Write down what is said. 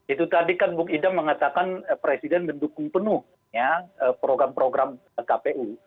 itu tadi kan bung idam mengatakan presiden mendukung penuh program program kpu